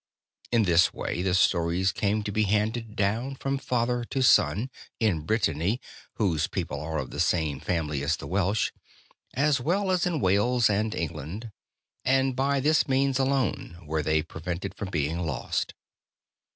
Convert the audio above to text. In this way the stories came to be handed down from father to son, in Brittany (whose people are of the same family as the Welsh) as well as in Wales and England, and by this means alone were they prevented from being lost.